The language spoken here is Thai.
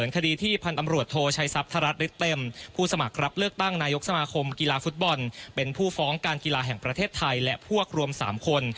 กีฬาแห่งประเทศไทยและพวกรวม๓คน